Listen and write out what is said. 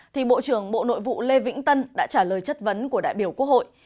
thì bộ trưởng bộ nội vụ lê vĩnh tân đã trả lời chất vấn của đại biểu quốc hội